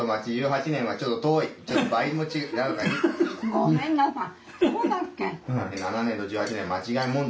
ごめんなさい。